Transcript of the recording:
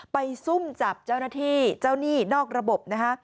ซุ่มจับเจ้าหน้าที่เจ้าหนี้นอกระบบนะคะ